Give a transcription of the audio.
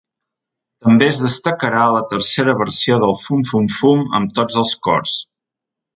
També es destacarà la tercera versió del ‘Fum, fum, fum’ amb tots els cors.